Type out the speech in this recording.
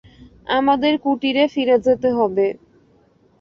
আমাদের কুটিরে ফিরে যেতে হবে।